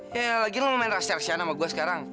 ya lagi lo main rahasia rahasia sama gue sekarang